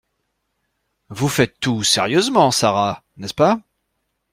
Vous faites tout sérieusement Sara, n’est-ce pas?